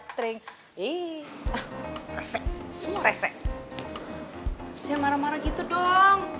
tring ih resek semua resek jangan marah marah gitu dong